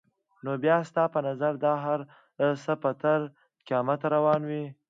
نو بیا ستا په نظر دا هر څه به تر قیامته روان وي؟